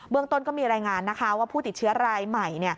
ต้นก็มีรายงานนะคะว่าผู้ติดเชื้อรายใหม่